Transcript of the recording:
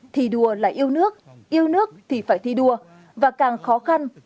thi đua là yêu nước yêu nước thì phải thi đua và càng khó khăn